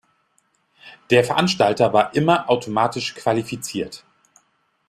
Der Veranstalter war immer automatisch qualifiziert.